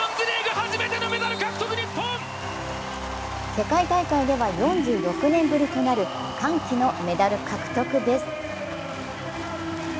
世界大会では４６年ぶりとなる歓喜のメダル獲得です。